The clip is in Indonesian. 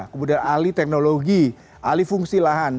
kemudian ahli teknologi alih fungsi lahan